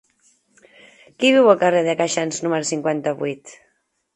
Qui viu al carrer de Queixans número cinquanta-vuit?